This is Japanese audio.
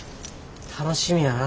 楽しみやな。